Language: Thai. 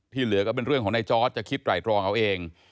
เหลือก็เป็นเรื่องของนายจอร์ดจะคิดไหร่ตรองเอาเอง